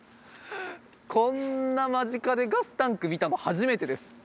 こんな間近でガスタンク見たの初めてです。